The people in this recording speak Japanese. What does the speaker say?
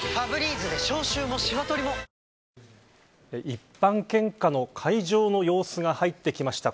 一般献花の会場の様子が入ってきました。